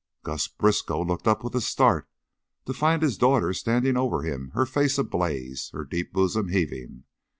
_" Gus Briskow looked up with a start to find his daughter standing over him, her face ablaze, her deep bosom heaving.